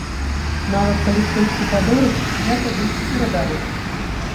Нават калі хтосьці падорыць, я тады перадару.